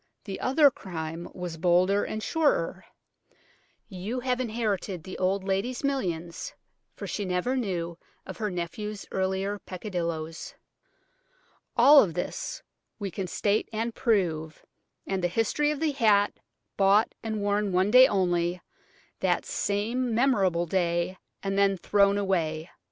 The other crime was bolder and surer. You have inherited the old lady's millions, for she never knew of her nephew's earlier peccadillos. "All this we can state and prove, and the history of the hat, bought, and worn one day only, that same memorable day, and then thrown away."